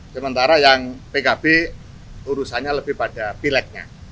sementara yang pkb urusannya lebih pada pileknya